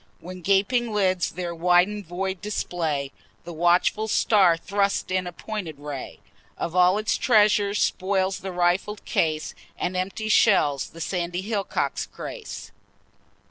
When gaping lids their widen'd void display, The watchful star thrusts in a pointed ray, Of all its treasures spoils the rifled case, And empty shells the sandy hillock grace.